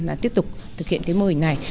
là tiếp tục thực hiện cái mô hình này